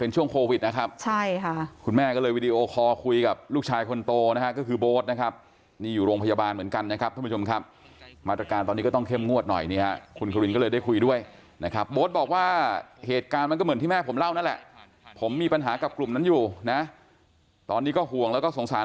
ช่วงโควิดนะครับใช่ค่ะคุณแม่ก็เลยวีดีโอคอร์คุยกับลูกชายคนโตนะฮะก็คือโบ๊ทนะครับนี่อยู่โรงพยาบาลเหมือนกันนะครับท่านผู้ชมครับมาตรการตอนนี้ก็ต้องเข้มงวดหน่อยนี่ฮะคุณครินก็เลยได้คุยด้วยนะครับโบ๊ทบอกว่าเหตุการณ์มันก็เหมือนที่แม่ผมเล่านั่นแหละผมมีปัญหากับกลุ่มนั้นอยู่นะตอนนี้ก็ห่วงแล้วก็สงสาร